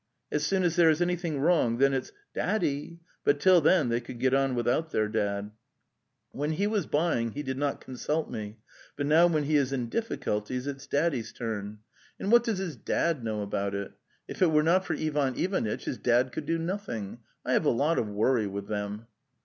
As soon as there is anything wrong then it's ' Daddy,' but till then they could get on without their dad. When he was buying he did not consult me, but now when he is in difficulties it's Daddy's turn. And what The Steppe 195 does his dad know about it? If it were not for Ivan Ivanitch, his dad could do nothing. I have a lot of worry with them."